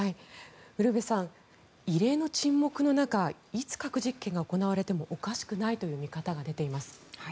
ウルヴェさん異例の沈黙の中いつ核実験が行われてもおかしくないという見方が出ています。